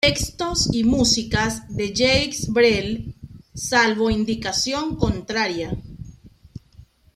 Textos y músicas de Jacques Brel, salvo indicación contraria.